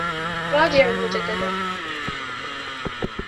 راجع مُجدداً.